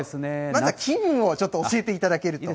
まず気分をちょっと教えていただけると。